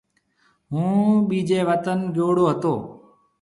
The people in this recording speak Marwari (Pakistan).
هُون ٻيجي وطن گيوڙو هتو۔